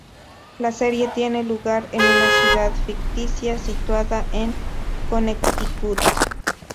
La serie tiene lugar en una ciudad ficticia, situada en Connecticut.